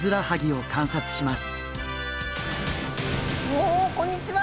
おおこんにちは。